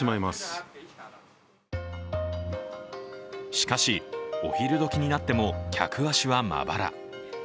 しかし、お昼どきになっても客足はまばら。